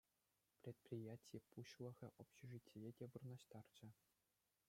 Предприяти пуҫлӑхӗ общежитие те вырнаҫтарчӗ.